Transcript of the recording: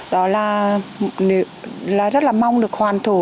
đó là rất là mong được hoàn thổ